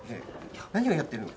何をやってるの？